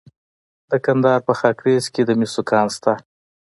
د کندهار په خاکریز کې د مسو کان شته.